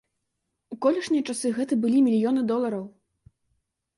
У колішнія часы гэта былі мільёны долараў.